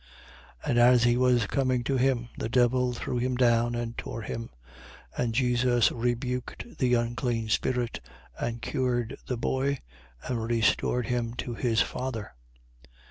9:42. And as he was coming to him, the devil threw him down and tore him. 9:43. And Jesus rebuked the unclean spirit and cured the boy and restored him to his father.